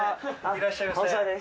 いらっしゃいませ。